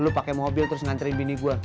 lo pake mobil terus nganterin bini gue